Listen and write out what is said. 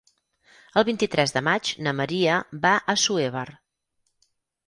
El vint-i-tres de maig na Maria va a Assuévar.